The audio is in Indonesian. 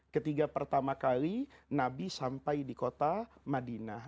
ketiga pertama kali nabi sampai di kota madinah